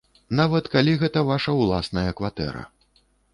Нават калі гэта ваша ўласная кватэра.